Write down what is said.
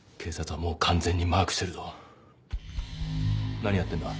何やってんだ？